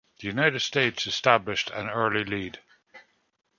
The United States established an early lead.